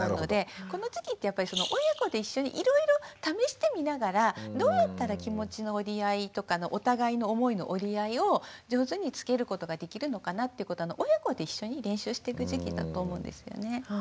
この時期ってやっぱり親子で一緒にいろいろ試してみながらどうやったら気持ちの折り合いとかお互いの思いの折り合いを上手につけることができるのかなっていうことは親子で一緒に練習していく時期だと思うんですよね。